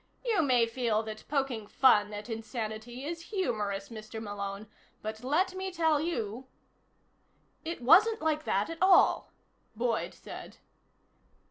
"You may feel that poking fun at insanity is humorous, Mr. Malone, but let me tell you " "It wasn't like that at all," Boyd said.